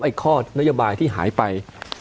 ข้อนโยบายที่หายไป